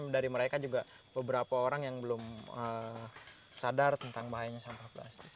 dari mereka juga beberapa orang yang belum sadar tentang bahayanya sampah plastik